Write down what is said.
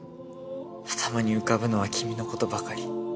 頭に浮かぶのは君のことばかり。